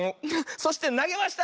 そしてなげました！